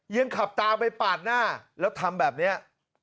ยังขับตามไปปาดหน้าแล้วทำแบบนี้